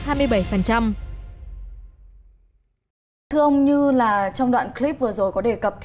thưa ông như trong đoạn clip vừa rồi có đề cập